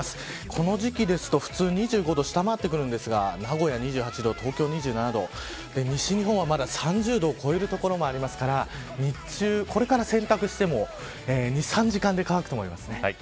この時期ですと普通２５度を下回ってくるんですが名古屋２８度、東京２７度西日本は、まだ３０度を超える所もありますから日中、これから洗濯しても２、３時間で乾くと思います。